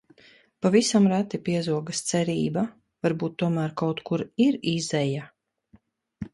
Pavisam reti piezogas cerība: varbūt tomēr kaut kur ir izeja?